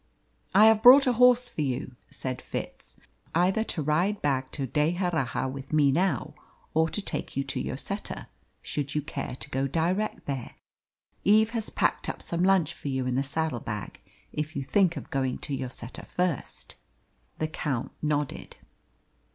"I have brought a horse for you," said Fitz, "either to ride back to D'Erraha with me now or to take you to Lloseta, should you care to go direct there. Eve has packed up some lunch for you in the saddle bag if you think of going to Lloseta first." The Count nodded.